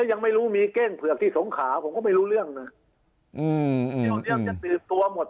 และยังไม่รู้มีเก้งเผือกที่สงขาผมก็ไม่รู้เรื่องนะ